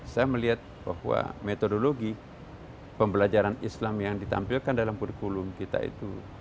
saya melihat bahwa metodologi pembelajaran islam yang ditampilkan dalam kurikulum kita itu